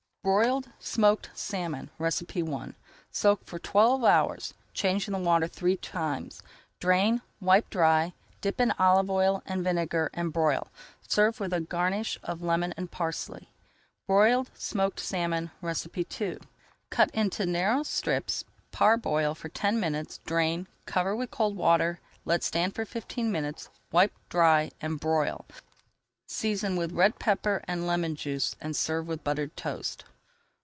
BROILED SMOKED SALMON I Soak for twelve hours, changing the water three times. Drain, wipe dry, dip in olive oil and vinegar, and broil. Serve with a garnish of lemon and parsley. BROILED SMOKED SALMON II Cut into narrow strips, parboil for ten minutes, drain, cover with cold water, let stand for fifteen minutes, wipe dry, and broil. Season with red pepper and lemon juice and serve with buttered toast.